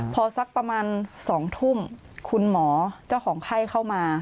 พอสักประมาณ๒ทุ่มคุณหมอเจ้าของไข้เข้ามา